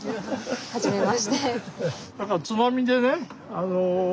はじめまして。